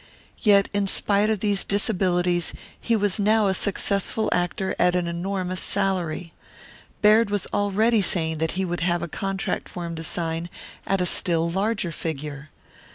Yet in spite of these disabilities he was now a successful actor at an enormous salary. Baird was already saying that he would soon have a contract for him to sign at a still larger figure.